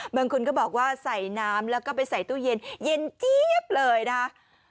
บางคนก็บอกว่าใส่น้ำแล้วก็ไปใส่ตู้เย็นเย็นเจี๊ยบเลยนะคะ